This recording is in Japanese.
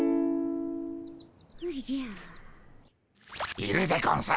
いるでゴンス！